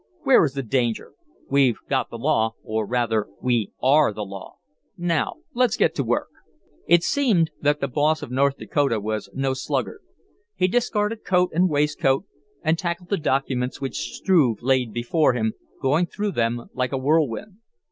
Where is the danger? We've got the law or rather, we ARE the law. Now, let's get to work." It seemed that the Boss of North Dakota was no sluggard. He discarded coat and waistcoat and tackled the documents which Struve laid before him, going through them like a whirlwind.